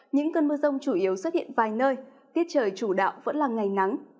những cơn mưa rông chủ yếu xuất hiện vài nơi tiết trời chủ đạo vẫn là ngày nắng